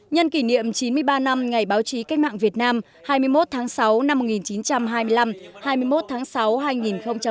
nhân kỷ niệm chín mươi ba năm ngày báo chí cách mạng việt nam hai mươi một tháng sáu năm một nghìn chín trăm hai mươi năm hai mươi một tháng sáu hai nghìn hai mươi